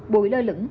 bụi lơ lửng